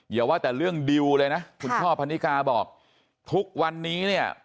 อย่าว่าแต่เรื่องดิวเลยนะคุณช่อพันนิกาบอกทุกวันนี้เนี่ย